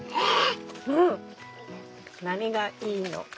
何がいいのか。